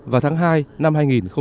vào tháng hai năm hai nghìn hai mươi